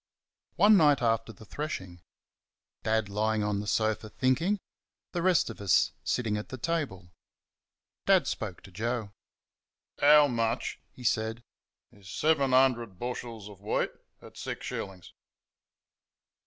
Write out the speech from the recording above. One night after the threshing. Dad lying on the sofa, thinking; the rest of us sitting at the table. Dad spoke to Joe. "How much," he said, "is seven hundred bushels of wheat at six shillings?"